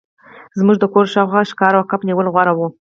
زموږ د کور شاوخوا ښکار او کب نیول غوره وو